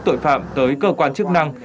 tội phạm tới cơ quan chức năng